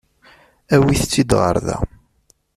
Awit-tt-id ɣer da.